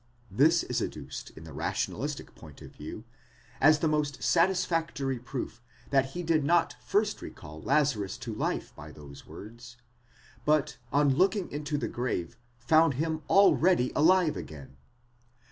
This is adduced, in the rationalistic point of view, as the most satisfactory proof that he did not first recall Lazarus to life by those words, but on looking into: the grave found him already alive again.